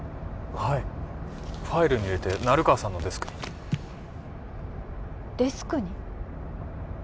はいファイルに入れて成川さんのデスクにデスクに？